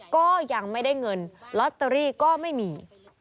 ก็ยังไม่ได้เงินลอตเตอรี่ก็ไม่มี